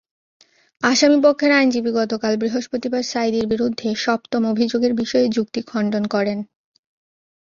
আসামিপক্ষের আইনজীবী গতকাল বৃহস্পতিবার সাঈদীর বিরুদ্ধে সপ্তম অভিযোগের বিষয়ে যুক্তি খণ্ডন করেন।